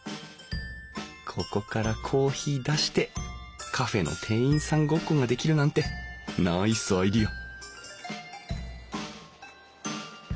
ここからコーヒー出してカフェの店員さんごっこができるなんてナイスアイデア！